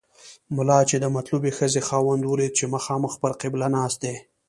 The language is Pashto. ملا چې د مطلوبې ښځې خاوند ولید چې مخامخ پر قبله ناست دی.